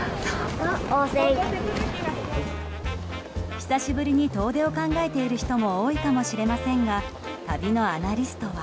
久しぶりに遠出を考えている人も多いかもしれませんが旅のアナリストは。